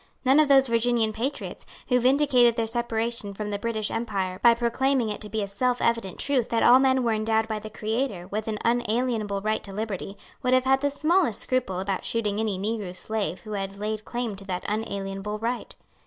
None of those Virginian patriots, who vindicated their separation from the British empire by proclaiming it to be a selfevident truth that all men were endowed by the Creator with an unalienable right to liberty, would have had the smallest scruple about shooting any negro slave who had laid claim to that unalienable right.